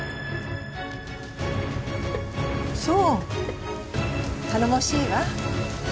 そう頼もしいわ。